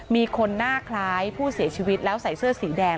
มีคนหน้าคล้ายผู้เสียชีวิตแล้วใส่เสื้อสีแดง